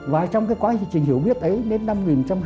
và trong cái quá trình hiểu biết ấy đến năm một nghìn chín trăm năm mươi